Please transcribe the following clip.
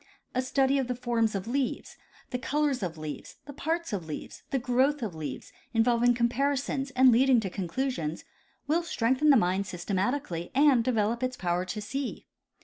A study of the forms of leaves, the colors of leaves, the parts of' leaves, the growth of leaves, involving comparisons and leading to con clusions, will strengthen the mind systematically and develop its power to see.